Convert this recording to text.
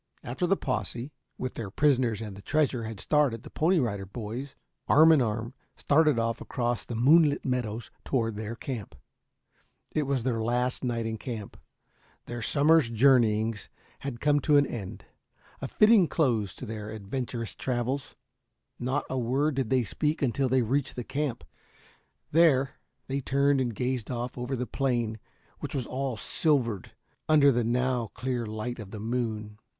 After the posse, with their prisoners and the treasure, had started, the Pony Rider Boys, arm in arm, started off across the moonlit meadows toward their camp. It was their last night in camp. Their summer's journeyings had come to an end a fitting close to their adventurous travels. Not a word did they speak until they reached the camp. There, they turned and gazed off over the plain which was all silvered under the now clear light of the moon.